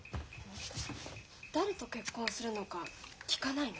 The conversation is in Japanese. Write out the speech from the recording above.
誰と結婚するのか聞かないの？